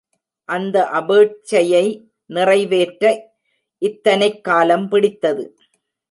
அந்த அபேட்சையை நிறைவேற்ற இத்தனைக் காலம் பிடித்தது.